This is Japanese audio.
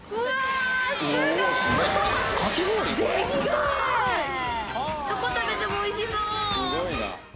どこ食べてもおいしそう！